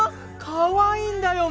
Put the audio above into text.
かわいいんだよ